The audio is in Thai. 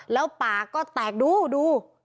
แล้วปาก็แตกดู